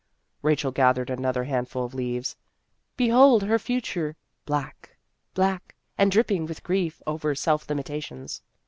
Rachel gathered another handful of leaves. "Behold her future black black and dripping with grief over self limitations.